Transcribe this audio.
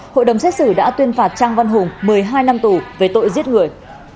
hội đồng xét xử đã tuyên phạt trang văn hùng một mươi hai năm tù về tội giết người